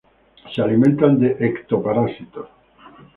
Se alimentan de ectoparásitos.